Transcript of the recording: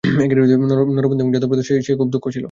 নযরবন্দী এবং জাদু প্রদর্শনে সে খুব দক্ষ ছিল।